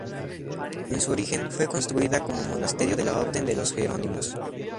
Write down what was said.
En su origen fue construida como monasterio de la Orden de los Jerónimos.